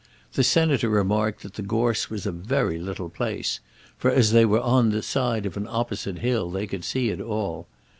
The Senator remarked that the gorse was a very little place, for as they were on the side of an opposite hill they could see it all.